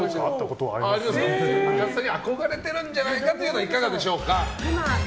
あかつさんに憧れているんじゃないかというのはいかがでしょうか？